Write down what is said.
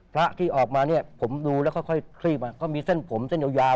พระที่ออกมาเนี่ยผมดูแล้วค่อยคลีบก็มีเส้นผมเส้นยาว